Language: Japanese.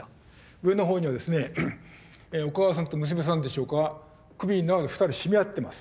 上の方にはですねお母さんと娘さんでしょうか首縄で２人絞め合ってます。